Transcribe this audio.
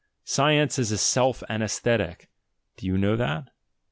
Science as a self anaesthetic: do you know that?